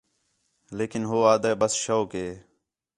لیکن ہو آھدا ہے ٻس شوق ہِے